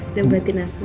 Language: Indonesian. udah buatin aku